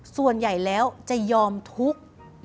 ส่วนใหญ่แล้วจะยอมทุกข์